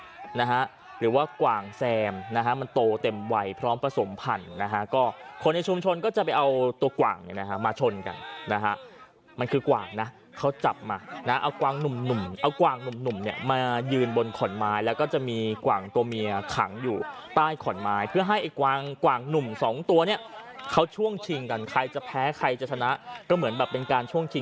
กว่างทรงนะฮะหรือว่ากว่างแซมนะฮะมันโตเต็มวัยพร้อมผสมพันธ์นะฮะก็คนในชุมชนก็จะไปเอาตัวกว่างเนี้ยนะฮะมาชนกันนะฮะมันคือกว่างน่ะเขาจับมานะฮะเอากว่างหนุ่มหนุ่มเอากว่างหนุ่มหนุ่มเนี้ยมายืนบนขอนไม้แล้วก็จะมีกว่างตัวเมียขังอยู่ใต้ขอนไม้เพื่อให้กว่างกว่างหนุ่มสองตัวเนี้ยเขาช่วงช